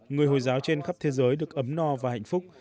người hồi giáo trên khắp thế giới được ấm no và hạnh phúc